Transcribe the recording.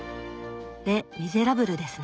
「レ・ミゼラブル」ですね。